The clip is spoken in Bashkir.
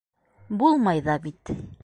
Булмай ҙа бит...